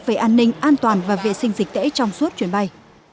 về an ninh an toàn và vệ sinh dịch tễ trong suốt chuyến bay